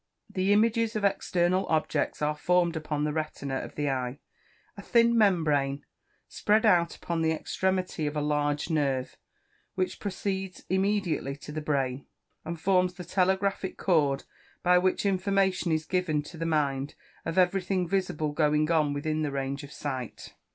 The images of external objects are formed upon the retina of the eye, a thin membrane, spread out upon the extremity of a large nerve, which proceeds immediately to the brain, and forms the telegraphic cord by which information is given to the mind, of everything visible going on within the range of sight.